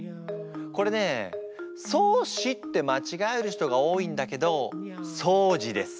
これね「そうし」ってまちがえる人が多いんだけど「そうじ」です。